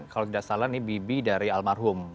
kalau tidak salah ini bibi dari almarhum